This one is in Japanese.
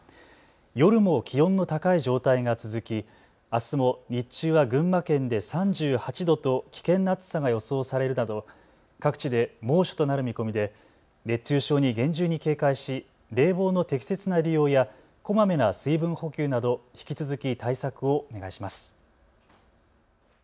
夜も気温の高い状態が続きあすも日中は群馬県で３８度と危険な暑さが予想されるなど各地で猛暑となる見込みで熱中症に厳重に警戒し冷房の適切な利用やこまめな水分補給など引き続き対策をお願いします。